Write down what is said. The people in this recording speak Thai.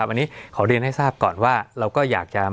สวัสดีครับทุกผู้ชม